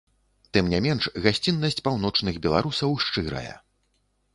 Тым не менш гасціннасць паўночных беларусаў шчырая.